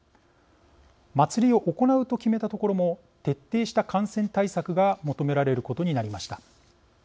祭りを行うと決めた所も徹底した感染対策が求められることになりました。